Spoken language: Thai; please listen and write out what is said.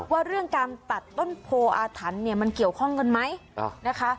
ว่าเรื่องการตัดต้นโพออาถรรพ์เนี่ยมันเกี่ยวข้องกันไหมนะคะ